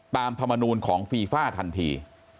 ธรรมนูลของฟีฟ่าทันที